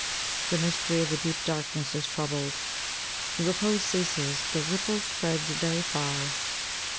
The mystery of the deep darkness is troubled, the repose ceases, the ripple spreads very far.